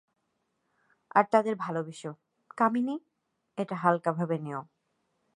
আর তাদের ভালবেসো, - কামিনী, এটা হাল্কা ভাবে নেও।